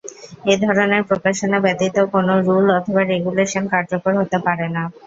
এধরনের প্রকাশনা ব্যতীত কোনো রুল অথবা রেগুলেশন কার্যকর হতে পারে না।